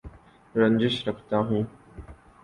رنجش رکھتا ہوں